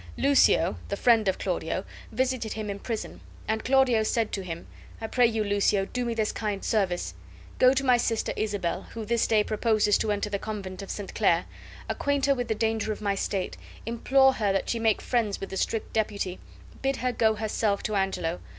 Lucio, the friend of Claudio, visited him in the prison, and Claudio said to him: "I pray you, Lucio, do me this kind service. Go to my sister Isabel, who this day proposes to enter the convent of Saint Clare; acquaint her with the danger of my state; implore her that she make friends with the strict deputy; bid her go herself to Angelo.